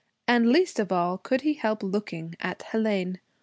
And least of all could he help looking at Hélène.